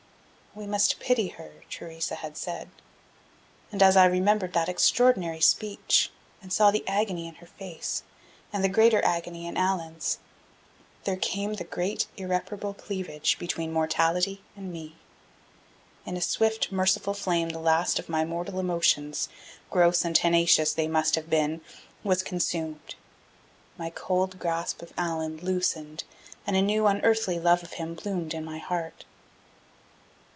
"We must pity her," Theresa had said. And as I remembered that extraordinary speech, and saw the agony in her face, and the greater agony in Allan's, there came the great irreparable cleavage between mortality and me. In a swift, merciful flame the last of my mortal emotions gross and tenacious they must have been was consumed. My cold grasp of Allan loosened and a new unearthly love of him bloomed in my heart.